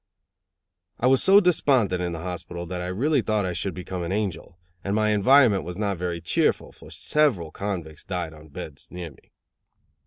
I was so despondent in the hospital that I really thought I should soon become an angel; and my environment was not very cheerful, for several convicts died on beds near me.